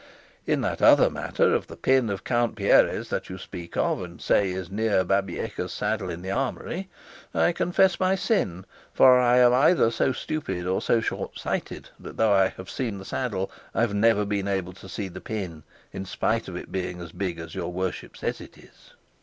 In that other matter of the pin of Count Pierres that you speak of, and say is near Babieca's saddle in the Armoury, I confess my sin; for I am either so stupid or so short sighted, that, though I have seen the saddle, I have never been able to see the pin, in spite of it being as big as your worship says it is."